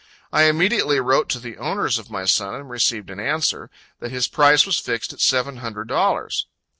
I immediately wrote to the owners of my son, and received an answer that his price was fixed at seven hundred dollars.